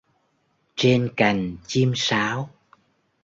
Trên cành, chim sáo